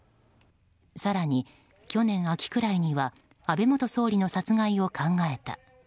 更に去年秋くらいには安倍元総理の殺害を考えた。